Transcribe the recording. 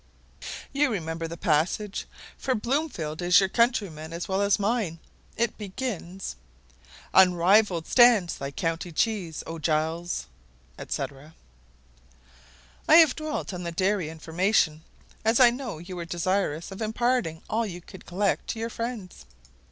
You remember the passage, for Bloomfield is your countryman as well as mine, it begins: "Unrivalled stands thy county cheese, O Giles," &c. I have dwelt on the dairy information; as I know you were desirous of imparting all you could collect to your friends.